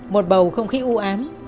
một bầu không khí ưu ám